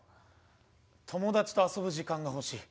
友達と遊ぶ時間が欲しい。